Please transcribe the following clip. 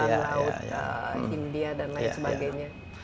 laut india dan lain sebagainya